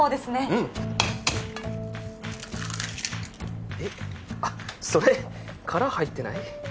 うんえっあっそれ殻入ってない？